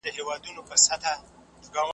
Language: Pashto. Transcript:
پرون چي مي خوبونه وه لیدلي ریشتیا کیږي .